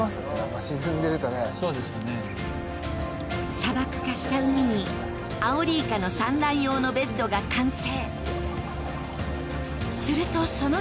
砂漠化した海にアオリイカの産卵用のベッドが完成。